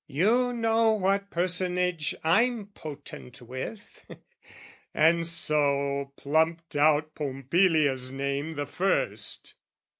"'You know what personage I'm potent with.'" And so plumped out Pompilia's name the first.